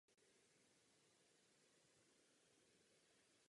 Většina filmových interiérů byla natočena v Bukurešti.